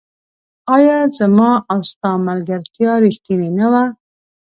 آيا زما او ستا ملګرتيا ريښتيني نه وه